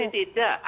tidak pasti tidak